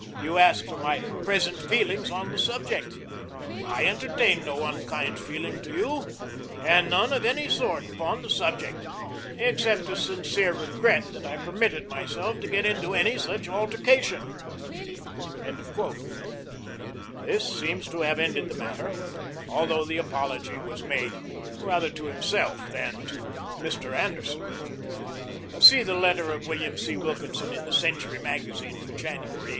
You ask for my 'present feelings on the subject.' I entertain no unkind feeling to you, and none of any sort upon the subject, except a sincere regret that I permitted myself to get into any such altercation." This seems to have ended the matter although the apology was made rather to himself than to Mr. Anderson. (See the letter of William C. Wilkinson in "The Century Magazine" for January, 1889.)